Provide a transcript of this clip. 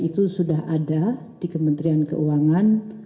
dan itu sudah ada di kementerian keuangan